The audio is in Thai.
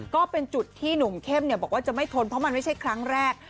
ก็เป็นจุดที่หนุ่มเข้มบอกว่าจะไม่ทนเพราะมันไม่ใช่ครั้งแรก